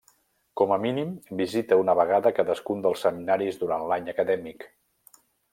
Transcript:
Com a mínim visita una vegada cadascun dels seminaris durant l'any acadèmic.